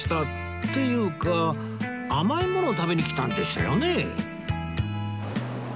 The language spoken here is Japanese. っていうか甘いもの食べに来たんでしたよね？